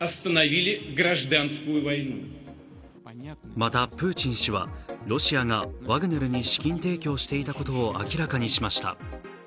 またプーチン氏はロシアがワグネルに資金提供していたことを明らかにしました。